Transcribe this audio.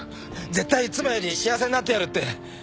絶対妻より幸せになってやるって。